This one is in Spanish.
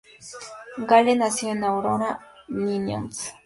Gale nació en Aurora, Illinois.